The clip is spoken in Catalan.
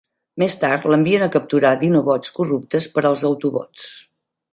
Més tard l'envien a capturar Dinobots corruptes per als Autobots.